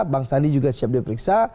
bang sandi juga siap diperiksa